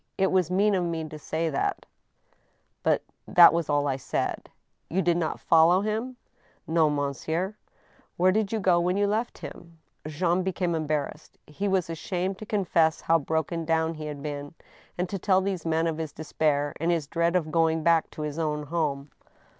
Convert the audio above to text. ... It was mean of me to say that, but that was all I said." " You did not follow him ?"" No, monsieur." " Where did you go when you left him ?" Jean suddenly became embarrassed. He was ashamed to con fess how broken down he had been, and to tell these men of his despair and his dread of going back to his own home.